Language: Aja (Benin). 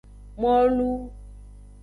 Molu.